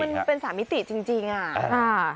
คือมันเป็นสามิติจริงอ่ะ